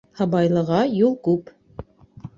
Һыбайлыға юл күп.